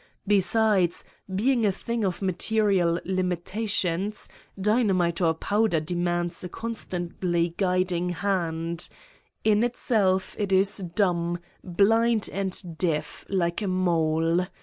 Besides, being a thing of material limitations, dynamite or powder 170 Satan's Diary demands a constantly guiding hand : in itself, it is dumb, blind and deaf, like a mole.